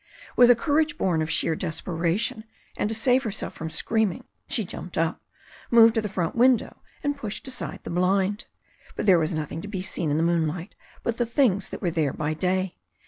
With a courage born of sheer desperation, and to save herself from screaming she jumped up, moved to the front window and pushed aside the blind. But there was nothing to be seen in the moonlight but the things that were there by day.